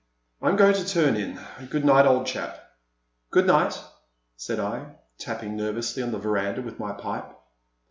" I 'm going to turn in ; good night, old chap." *' Good night," said I, tapping nervously on the veranda with my pipe.